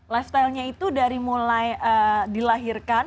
lifestyle nya itu dari mulai dilahirkan